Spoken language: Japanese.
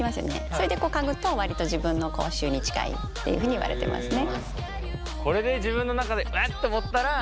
それで嗅ぐと割と自分の口臭に近いっていうふうに言われてますね。